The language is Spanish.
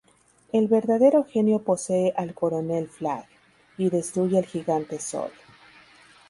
El verdadero genio posee al Coronel Flag, y destruye al Gigante Sol.